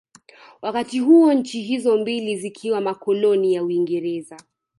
Wakati huo nchi hizo mbili zikiwa makoloni ya Uingereza